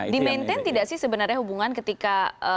dimaintain tidak sih sebenarnya hubungan ketika